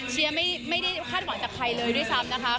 เชียร์ไม่ได้คาดหวังจากใครเลยด้วยซ้ำนะคะ